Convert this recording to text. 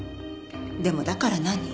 でもだから何？